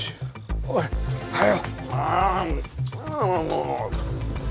おいはよ！